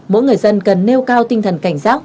mỗi người dân cần nêu cao tinh thần cảnh giác